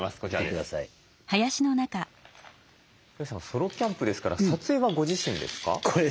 ソロキャンプですから撮影はご自身ですか？